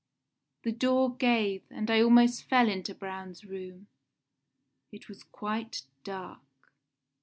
"The door gave, and I almost fell into Braun's room. It was quite dark.